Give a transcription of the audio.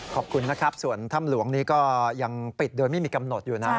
ขอบคุณนะครับส่วนถ้ำหลวงนี้ก็ยังปิดโดยไม่มีกำหนดอยู่นะ